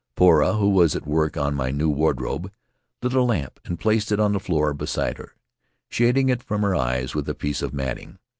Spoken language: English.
Poura, who was at work on my new wardrobe, lit a lamp and placed it on the floor beside her, shading it from her eyes with a piece of matting.